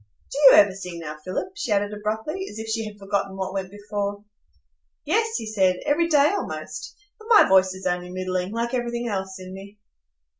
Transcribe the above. Do you ever sing now, Philip?" she added abruptly, as if she had forgotten what went before. "Yes," he said, "every day, almost. But my voice is only middling, like everything else in me."